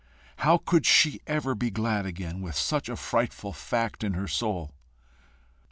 How could she ever be glad again, with such a frightful fact in her soul!